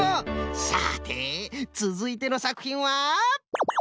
さてつづいてのさくひんは？